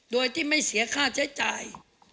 โดยที่ไม่เสียค่าใช้จ่าย